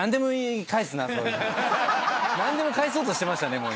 何でも返そうとしてましたね。